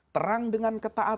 terang dengan ketaatan